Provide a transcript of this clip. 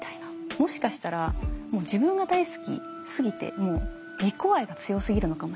もしかしたらもう自分が大好きすぎてもう自己愛が強すぎるのかもしれない。